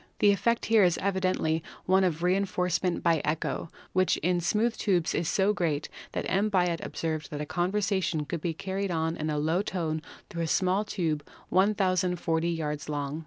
The effect here is evidently one of reinforcement by echo, which in smooth tubes is so great that M. Biot observed that a conversation could be carried on in a low tone through a small tube 1,040 yards long.